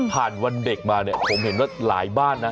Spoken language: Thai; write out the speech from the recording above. วันเด็กมาเนี่ยผมเห็นว่าหลายบ้านนะ